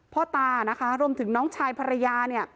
พ่อตารวมถึงน้องชายภรรยา